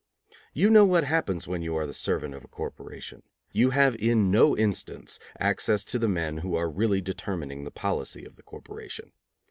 You know what happens when you are the servant of a corporation. You have in no instance access to the men who are really determining the policy of the corporation.